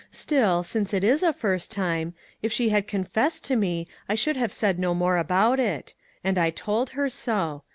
Still, since it is a first time, if she had confessed to me, I should have said no more about it; and I told her so.